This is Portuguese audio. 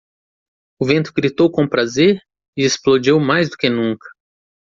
O vento gritou com prazer? e explodiu mais do que nunca.